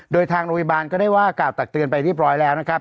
โดยทางโรงพยาบาลก็ได้ว่ากล่าวตักเตือนไปเรียบร้อยแล้วนะครับ